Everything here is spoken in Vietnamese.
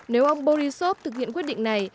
nếu ông borisov thực hiện quyết định này